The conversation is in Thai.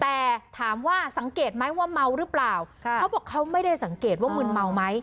แต่ถามว่าสังเกตไหมว่าเมาหรือเปล่าเขาบอกเขาไม่ได้สังเกตว่ามึนเมาไหม